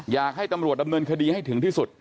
อยากให้ตำรวจดำเนินคดีให้ถึงที่สุด